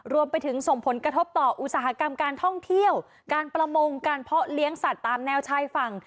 รวมไปถึงส่งผลกระทบต่ออุตสาหกรรมการท่องเที่ยวการประมงการเพาะเลี้ยงสัตว์ตามแนวชายฝั่ง